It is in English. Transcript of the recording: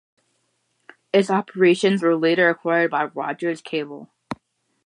Its operations were later acquired by Rogers Cable.